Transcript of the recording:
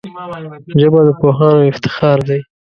ژبه د پوهانو افتخار دی